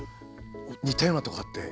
似たようなとこあって。